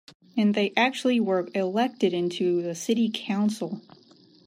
And they actually were elected into the city council.